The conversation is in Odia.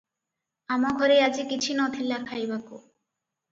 “-ଆମ ଘରେ ଆଜି କିଛି ନଥିଲା ଖାଇବାକୁ ।